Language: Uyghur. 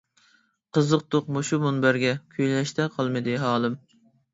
قىزىقتۇق مۇشۇ مۇنبەرگە، كۈيلەشتە قالمىدى ھالىم.